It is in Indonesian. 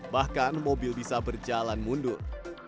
bahkan mobil bisa berjalan mundur